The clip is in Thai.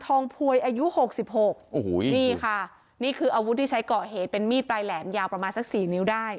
พวยอายุหกสิบหกโอ้โหนี่ค่ะนี่คืออาวุธที่ใช้ก่อเหตุเป็นมีดปลายแหลมยาวประมาณสักสี่นิ้วได้